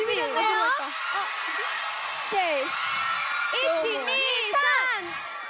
１２３。